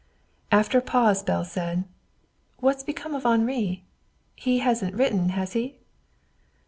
After a pause Belle said: "What's become of Henri? He hasn't written, has he?"